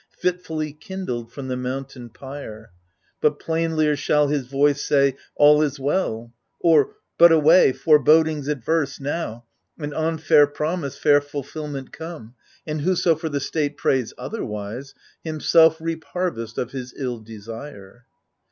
Fitfully kindled from the mountain pyre ; But plainlier shall his voice say. All is well^ Or — but away, forebodings adverse, now. And on fair promise fair fulfilment come 1 And whoso for the state prays otherwise. Himself reap harvest of his ill desire